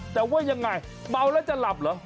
แต่ว่ายังไงเมาแล้วจะหลับเหรอ